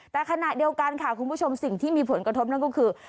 แต่ขณะเดียวกันค่ะคุณผู้ชมสิ่งที่มีผลกระทบนั่นก็คือ